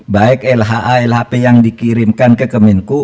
baik lha lhp yang dikirimkan ke kemenku